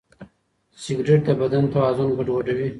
سګریټ د بدن توازن ګډوډوي.